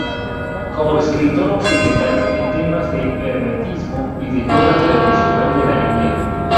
Como escritor Occidental en temas de Hermetismo y de Yoga tradicional de la India.